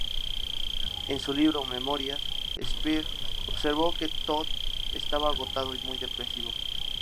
En su libro "Memorias", Speer observó que Todt estaba agotado y muy depresivo.